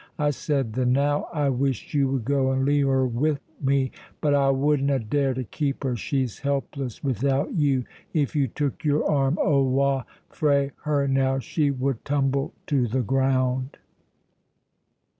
I said the now I wished you would go and leave her wi' me: but I wouldna dare to keep her; she's helpless without you; if you took your arm awa frae her now, she would tumble to the ground."